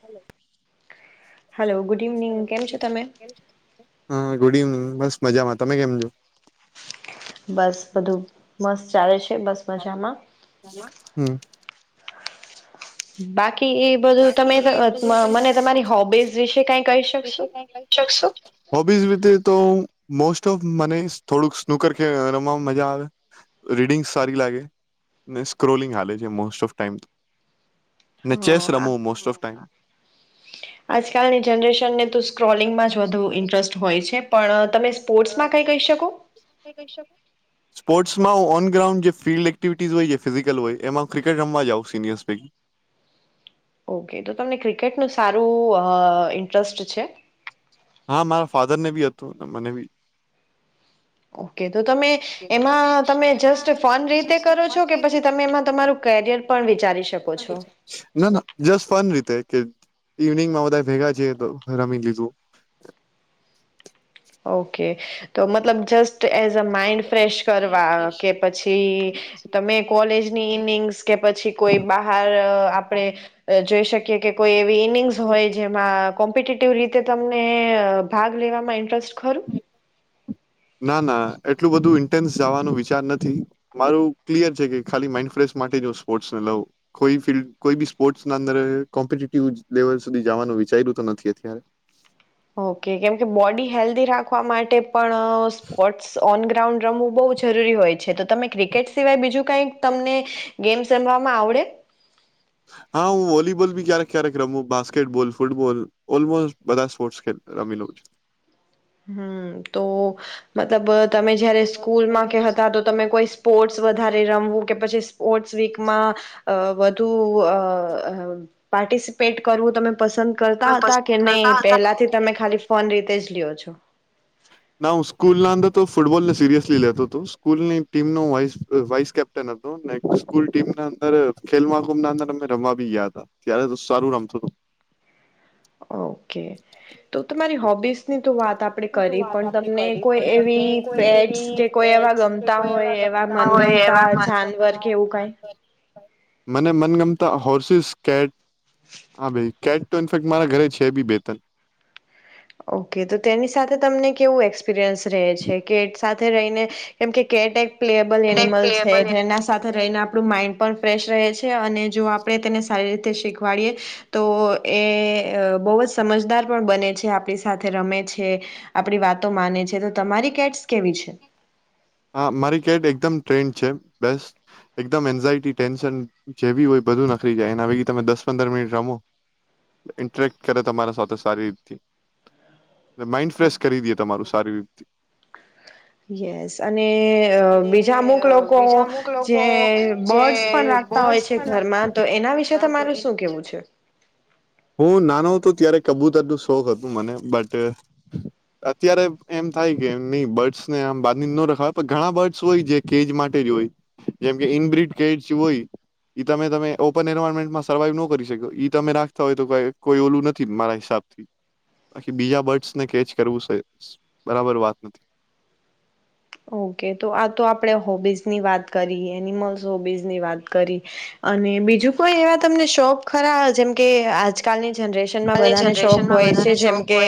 Hello. Hello good evening, કેમ છો તમે? હા ગુડ ઇવનિંગ. બસ મજામાં, તમે કેમ છો? બસ બધું મસ્ત ચાલે છે, બસ મજામાં. હમ્મ. બાકી ઈ એ બધું તમે અહ મને તમારી હોબીઝ વિશે કાઈ કહી શકશો? હોબીઝ રીતે તો મોસ્ટ ઓફ મને થોડુંક સ્નુકર કે રમવામાં મજા આવે, રીડિંગ સારી લાગે, ને સ્ક્રોલિંગ હાલે છે મોસ્ટ ઓફ ટાઈમ તો. અને ચેસ રમું મોસ્ટ ઓફ ટાઈમ. આજકાલની જનરેશનને તો સ્ક્રોલિંગમાં જ વધુ ઇન્ટરેસ્ટ હોય છે. પણ તમે સ્પોર્ટ્સમાં કાઈ કહી શકો? સ્પોર્ટ્સમાં હું ઓન ગ્રાઉન્ડ જે ફિલ્ડ એક્ટિવિટીઝ હોય જે ફિઝિકલ હોય, એમાં હું ક્રિકેટ રમવા જાઉં સિનિયર્સ પૈકી. ઓકે તો તમને ક્રિકેટનું સારું [unintelligible] અહ ઇન્ટરેસ્ટ છે? હા મારા ફાધર ને બી હતું અને મને બી. ઓકે. તો તમે એમાં તમે જસ્ટ ફન રીતે કરો છો, કે પછી તમે એમાં તમારું કેરિયર પણ વિચારી શકો છો. કે ઇવનિંગમાં બધા ભેગા છીએ તો રમી લીધું. ઓકે તો મતલબ just as the mind fresh કરવા, કે પછી તમે કોલેજની ઈનિંગ્સ કે પછી કોઈ બહાર આપણેે જોઈ શક કે કે કોઈ એવી ઈં નિંગ્સ હોય જેમાં કોમ્પિટેટિવ રીતે તમને ભાગ લેવામાં ઇન્ટરેસ્ટ ખરો? ના, ના એટલું બધું ઇન્ટેન્સ જવાનો વિચાર નથી. મારું ક્લિયર છે કે ખાલી માઇન્ડ ફ્રેશ માટે જ હું સ્પોર્ટ્સને લવ. કોઈ ફિલ્ડ કોઈ બી સ્પોર્ટ્ અંદર કોમ્પિ લેવલ સુધી જવાનું વિચાર્યું તો નથી અત્યારે. ઓકે, કેમકે બોડી હેલ્ધી રાખવા માટે પણ સ્પોર્ટસ ઓનગા રાઉન્ડ રમવું બહુ જરૂરી હોય છે તો તમે ક્રિકેટ સિવાય બીજું કાઈક તમને ગેમસમવામાં આવડે? હા હું વોલીબોલ બી ક્યારેક ક્યારેક રમું બાસ્કેટબોલ ફૂટબોલ ઓલમોસ્ટ બધા સ્પોર્ટ્ રમી લઉં છ. હમ તો, મતલબ તમે જયારે સ્કૂલમાં કે હતા તો તમે કોઈ સ્પોર્ટ્સ વધારે રમવું કે પછી સ્પોર્ટ્સ વીકમાં તૂ આ પાર્ટિસિપેટ કરવું તમે પસંદ કરતા હતા કે નહી પહેલાથી તમે ખાલી ફોન રીતે જ લ્યો. [unintelligible] ના હું સ્કૂલ ના અંદર તો ફૂટબોલને સિરિયસલી લેતો હતો સ્કૂલની ટીમનો વાસ કેપ્ટન હતોૂલ ટ અ ખેલ અ અમે રમવા બી ગયા ત્યારે સારું રમતું હતું. ઓકે, તો તમારી હોબીસ ની તો વાત આપણે કરી. કરી પણ તમને કોઈ એ ગમતા હોય મ. [unintelligible] મને મનગમતા હોર્સિસ કેટ. હા ભાઈ કેટ તો ઇન્ફેક્ટ મારા ઘરે છે બી બે તન. ઓકે તો તેની સાથે તમને કેવું એક્સપિરયન્સ રહે છે કેટ સાથે રહીને, કેમ કે કેટ પ્લેએબલ એનિમલ છે જેના સાથે રહીને આપણું માઇન્ડ પણ ફ્રેશ રહે છે. છે અને જો આપણે તેને સારી રીતે શીખવાડીએ, તો એ બહ જ સમજદાર પણ બને છે આપ આપણી સાથે રમે છે, આપણી વાતો માને છે તો તમારી કેટસ કેવી છે? હા મારી કેટ એકદમ ટ્રેન્ડ છે, બસ એકદમ એન્ઝાયટી ટેન્શન જેવી હોય બધું નખરી જાય, એના ભેગી તમે દસ પંદર મિનિટ રમો, ઇન્ટરેક્ટ કરે તમારા સાથે સારી રીતથી. ને માઇન્ડ ફ્રેશ કરી દીએ તમારુંસ. સારી રીતથી. યસ. અને બીજા અમુક લોકો જે બર્ડ્સ પણ રાખતા હોય છે ઘરમાં, તો એના વિશે તમારું શું કેવું છે? હું નાનો હતો ત્યારે કબૂતર નો શોખ હતું મને, બટ અત્યારે એમ થાય કે નહીં બર્ડસને આમ બાંધીને ન રખાવવા, પણ ઘણા બર્ડસ હોય જે કેજ માટે જ હોય. જેમકે ઈનબ્ર્રીડ કેજ હોય ઈ તમે-તમે ઓપન એન્વાયરમેન્ટમાં સર્વાઈવ ન કરી શયકો, ઈ તમે રાખ તા હોય તો કોઈ ઓલું નથી મારા હિસાબથી. બાકી બીજા બર્ડસ ને કેચ કરવું સે, બરાબર વાત નથી. ઓકે. તો આ તો આપણે હોબીઝની વાત કરી, એનિમલ્સ હોબીઝની વાત કરી, અને બીજું કોઈ એવા તમને શોખ ખરા જેમ કે આજકાલની જ નરેશનમાં બધાને શોખ હોય છે જેમ કે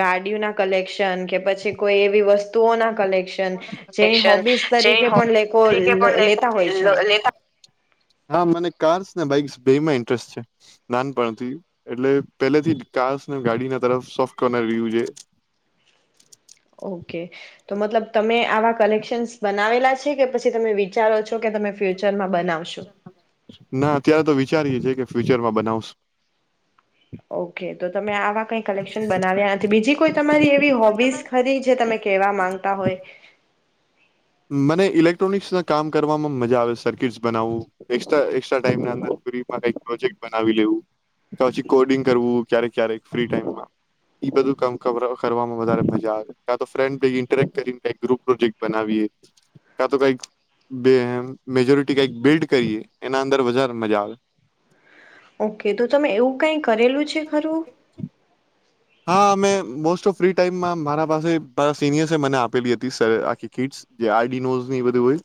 ગાડીયું ના કલેક્શન, કે પછી કોઈ એવી વસ્ તોઓના કલેક્શન જેની હોબીઝ તરીકે પણ લેકો લ લેતા હોય છે એમ. હા. મને કાર્સ ને બાઈકસ બેયમાં ઇન્ટરેસ્ટ છે નાનપણથી, એટલે પેલેથી જ કાર્સ ને ગાડી ના તરફ સોફ્ટ [unintelligible] છે. ઓકે. તો મતલબ તમે આવા કલેક્શન્સ બનાવેલા છે, કે પછી તમે વિચારો છો કે તમે ફ્યુચરમાં ના, અત્યારે તો વિચારીએે છીએ કે ફ્યુચરમાં બનાવશું. ઓકે તો તમે આવા કઈ કલેક્શન બનાવ્યા નથી બીજી કોઈ તમારી એવી હોબીસ ખરી જે તમે કેહેવા માંગતા હોય. મને ઇલેક્ટ્રોનિક્સ ના કામ કરવામાં મજા આવે સર્કિટ્સ બનાવવું એક્સ્ટ્રા એકસ્ટ્રા ટાઈમ માં ફ્રી માં કઈક પ્રોજેક્ટ બનાવી લેવું પછી કોડિંગ કરવું ક્યારેક ક્યારેક ફ્રી ટાઈમમાં ઈ બધું કામવામાં વધારે મજા આવે કા તો ફ્રેન્ડ પ ઇન્ટરેક્ટ કરીને કયક ગ્રુપ પ્રોજેક્ટ બનાવીએ. કા તો કઈક મેજોરિટી કઈક બિલ્ડ કરીએ એના અંદર વધારે મજા આવે. ઓકે તો તમે એવું કઈ કરેલું છે ખરું. હા અમે મોસ્ટ ઓફ ફ્રી ટાઈમમાં મારા પાસે બસ સિનિયર્સે મને આપેલી હતી. સર આખી કીટ્સ જે આડીનોઝની એ બધ હોય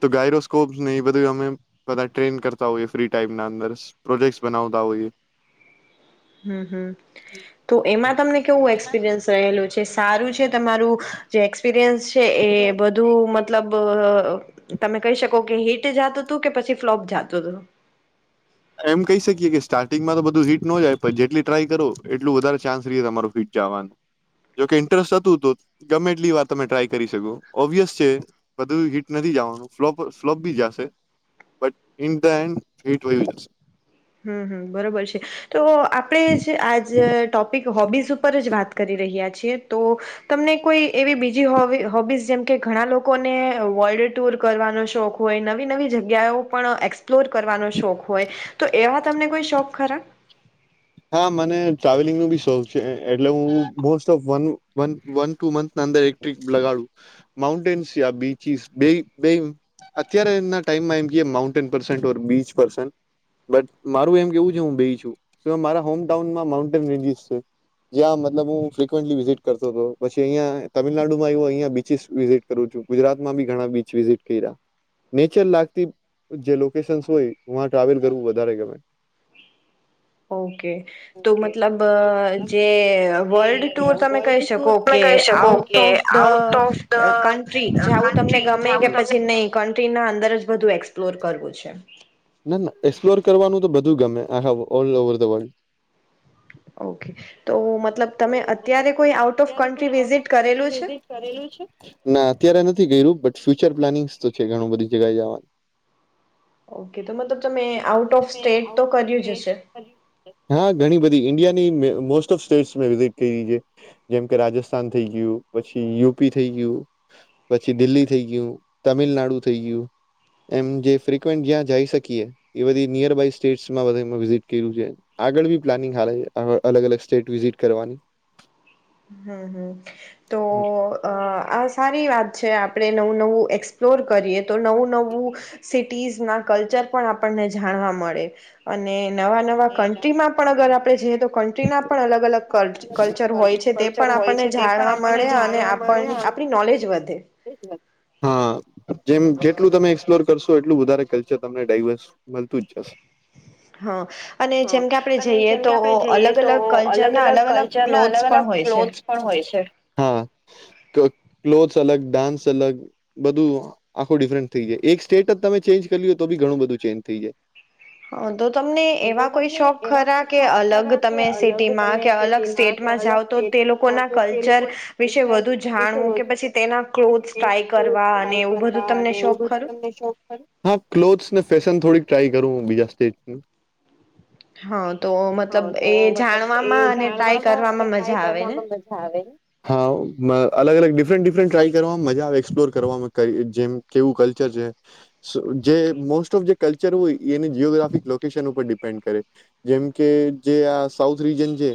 તો ગાયરોસ્કોપને એ બધું અમે બધા ટ્રેઈન કરતા હોએ ફ્રી ટાઈમના અંદર પ્રોજેક્ટસ બનાવતા હોઈએ. હમમ હમમ તો એમાં તમને કેવું એક્સપિરિયન્સ રહેલું છે સારું છે. તમારું જે એક્સપિરયન્સ છે એ બધું મતલબ અ તમે કહી શકો કે હિટ જાતું હતું કે પછી ફ્લોપ જાતું હતું. એમ કહી શકીએ કે સ્ટાર્ટિંગમાં તો બધું હીટ નો જાય પણ જેટલી ટ્રાય કરો એટલું વધારે ચાન્સ રહીએ તમારું હિટ જવાનું જોકે ઇન્ટરેસ્ટ હતું તો ગમે એટલી વાર તમે ટ્રાય કરી શકો ઓબ્વિયસ છે બધું હીટ નથી જવાનું ફ્લોપ બી જશે but in the end hit જશે. હમમ હમમ બરોબર છે તો આપડે જે આજ ટોપિક તો હોબી ઉપર જ વાત કરી રહ્યા છીએ. તો તમને કોઈ એવી બીજી હોવી હોબીઝ જેમ કે ઘણા લોકોને વર્લ્ડ ટૂર કરવાનો શોખ હોય. નવી નવી જગ્યાઓ પણ એક્સપ્લોર કરવાનો શોખ હોય. તો એવા તમને કોઈ શોખ ખરા. હા મને ટ્રાવેલિંગ નો બી શોખ છે એટલે હું most of one one one two month ની અંદર એક ટૂર લગાડું માઉન્ટનસ યા બીચીસ બે બે અત્યાર ના ટાઈમ મા જે માઉન્ટન પર્સેન્ટ બીસ પર્સેન્ટ પણ મારું એમ કેવું હું બે છું. મારા હોમ ટાઉનમાં માઉન્ટેન રેન્જીસ છે. જ્યાં મતલબ હું ફ્રિકવવેન્ટલી વિઝિટ કરતો હતો પછી અહિયા તમિલનાડુમાં એ અહયા બીચસ વિઝિટ કરું છું. ગુજરાતમાં બી ઘણા બીચ વિઝિટ કર્યા નેચર લાગતી જે લોકેશનસ છે ત્યાં ટ્રાવેલ કરવું વધારે ગમે. ઓકે તો મતલબ જે વર્લ્ડ ટુર તમે કહી શકો કે આઉટ ઓફ ધ કન્ટ્રી જા હુ તમને ગમે કે પછી નહી કન્ટ્રી ના અંદર જ બધું એક્સપ્લોર કરવું છે. ના ના એક્સપ્લોર કરવાનું. તો બધું ગમે અને ઓલ ઓવર ધ વલ્ડ. તો મતલબ તમે અત્યારે કોય આઉટ ઓફ કન્ટ્રી વિઝિટ કરેલી છે. ના અત્યારે ની નથી કર્યું પણ ફ્યુચર પ્લાનિંગ્સ તો છે ઘણું બધી જગ્યા જવાનું ઓકે તો મતલબ તમે આઉટ ઓફ સ્ટેટ તો કર્યું જ હશે. ઇન્ડિયાની મોસ્ટ ઓફ સ્ટેટ મે વિઝટ કરી છે. જેમકે રાજસ્થાન થઈ ગયું પછી, યુપી થઈ ગયું પછી દિલ્હી થઈ ગયું, તમિલનાડુ થઈ ગયું એમ જે ફ્રિકવેન્ટ જ્યાં જય કી એ બધી નિયર બાય સ્ટેટમાં મે વિઝીટ કર છે આગળ બી પ્લાનિંગ હલે છે અલગ અલગ સ્ટેટ વિઝિટ કરવાની. તો અ આ સારી વાત. છે આપણે નવું નવું એક્સપ્લોર કરીએ. તો નવું નવું સિટીઝ ના કલ્ચર પણ આપણને જાણવા મળે અને નવા નવા કન્ટ્રીમાં પણ અગર આપડે જઈએ તો કન્ટ્રી ના પણ અલગ અલગ કલ્ચર હોય છે તે પણ આપણને જાણવા મળે અને આપણ આપણી નોલેજ વધે. હા જેમ જેટલું તમે એક્સપ્લોર કરશો એટલું વધારે કલ્ચર તમને ડાઈવર્સ મળતું જ જશે. હા અને જેમ કે આપણે જઈએ તો અલગ અલગ કલ્ચરના અલગ અલગ ક્લોથ્સ પણ હોય છે. હા ક્લોથસ અલગ ડાન્સ અલગ બધું આખું ડિફરન્ટ થઈ જાય એક સ્ટેટ જ તમે ચેન્જ [unintelligible] હોય તો બી ઘણું બધું ચેન્જ થઈ જાય. [unintelligible] તો તમને એવા કોઈ શોખ ખરા કે અલગ તમે સિટીમાં કે અલગ સ્ટેટમાં જાાવ તો તે લોકોના કલ્ચર વિશે વધુ જાણવું કે પછી તેના ક્લોથ ટ્રાય કરવા અને એવું બધું તમને શોખ ખરું. હા ક્લોથસ ને ફેશન થોડીક ટ્રાય કરું બીજા સ્ટેજ. હા તો મતલબ એ જાણવામાં અને ટ્રાય કરવામાં મજા આવે ને. હા અલગ અલગ ડિફરન્ટ ડિફરન્ટ ટ્રાય કરવામાં મજા આવે એક્સપ્લોર કરવામાં જેમ કેવું કલ્ચર છે જે મોસ્ટ ઓફ જે કલ્ચર હોય એને જીઓગ્રાફિક. [unintelligible] કરે જેમ કે જે આ સાઉથ રીજન છે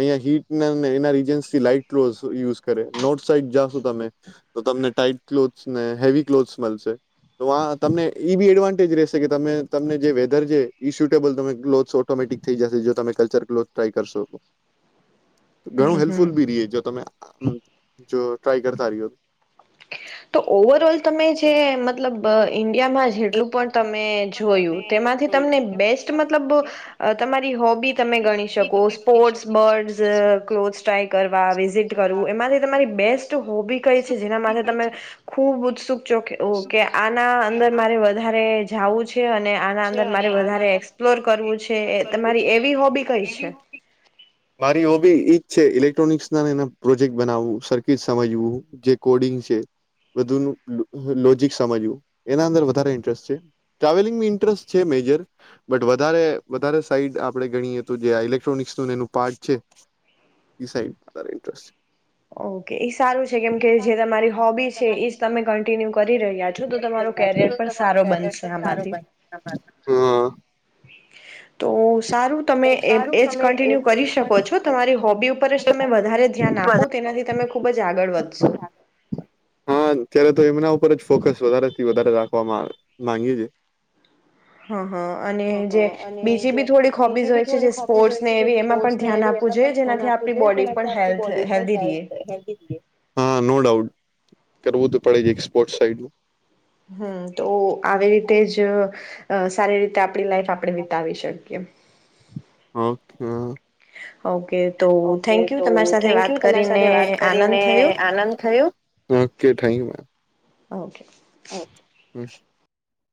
અહીિયાં હીટ એના રીજન્સથી [unintelligible] ક્લોથસ યુઝ કરે નોર્થ સાઈડ જાશો તમે તો તમને ટાઈટ ક્લોથસ ને હેવી ક્લોથસ મળશે તો આ તમને એ બી એડવાન્ટેજ રહેશે કે તમે તમને જે વેધર છે. ઈ શુટેબલ તમે ક્લોથસ ઓટોમેટિક થઈ જશે જો તમે કલ્ચર ક્લોથ ટ્રાય કરશો. ઘણું હેલ્પફુલ બી રહીએ [unintelligible] તમે. જો ટ્રાય કરતા રહી હો. તો ઓવર ઓલ તમે જે મતલબ. ઈન્ડિયામાં જેટલું પણ તમે જોયું તેમાંથી તમને બેસ્ટ મતલબ તમારી હોબી. તમે ગણી શકો સ્પોર્ટ્સ બર્ડ્સ ક્લોથ્સ ટાય કરવા વિઝિટ કરવું એમાંથી તમારી બેસ્ટ હો. કઈ છે. [unintelligible] ખુબ ઉત્સુક છો કે કે આના અંદર મારે વધારે. જવું છે ને આના અંદર મારે વધારે એક્સપ્લોર કરવું છે, તમા એવી હોબી કઈ છે? છે, ઇલેક્ટ્રોનિકસના એના પ્રોજેક્ટ બનાવવું, સર્કિટ સમજવું, જે કોડિંગ છે બધૂનુ લોજિક સમજવું, એના અંદર વધારે ઇન્ટરેસ્ટ છે, ટ્રાવેલ ઇન્ટરેસ્ટ છે, મેજર, બટ વધ વધારે સાઈડ આપણે ગણીએ તો જે, ઇલેક્ટ્રોનસ એ પાર્ટ છે એ સા ઇન્ટસ્ટ ઓકે, એ સારું છે કેમ કે જે તમારી હોબી છે, એજ તમે કન્ટિન્યુ કરી રહ્યા છો, તો તમારો કેરિયર પણ સારો બનશે આમાંથી હમ. તો સારું. તમે એજ કન્ટિન્યુ કરી શકો છો, તમારી હોબી ઉપર જ તમે વધારે ધ્યાન આપો, તેનાથી તમે ખુબ જ આગળ વધશો. ઉપર જ ફોકસ વધારેથી વધારે રાખવા માંગી છે. હ. હ અનેય જો [unintelligible] નો ડાઉટ કરવું તો પડે છે, એક સ્પોર્ટ્ સાઈડ હમ તો આવી રીતે જ શારીરિક આપણી લાઈફ આપણે વિતાવી શકીએ. ઓકે. [unintelligible] ઓકે. તો થેન્ક યુ તમારી સાથે વાત કરીને આનંદ થયો. કે થાઈ [unintelligible] ઓકે. [unintelligible]